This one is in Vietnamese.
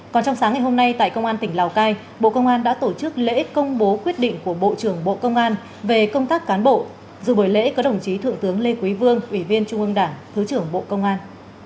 còn trong sáng ngày hôm nay tại công an tỉnh lào cai bộ công an đã tổ chức lễ công bố quyết định của bộ trưởng bộ công an về công tác cán bộ dù buổi lễ có đồng chí thượng tướng lê quý vương ủy viên trung ương đảng thứ trưởng bộ công an